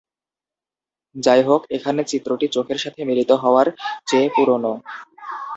যাইহোক, এখানে চিত্রটি চোখের সাথে মিলিত হওয়ার চেয়ে পুরনো।